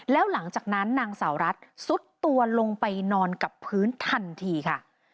แล้วหลังจากนั้นนางสาวรัฐสุดตัวลงไปนอนกับพื้นทันทีค่ะ